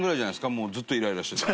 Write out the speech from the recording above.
もう、ずっとイライラしてたの。